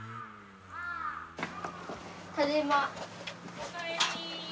お帰り。